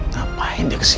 ngapain dia ke sini